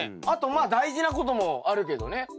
あとまあ大事なこともあるけどね。